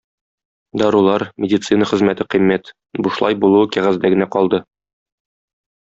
Дарулар, медицина хезмәте кыйммәт, бушлай булуы кәгазьдә генә калды.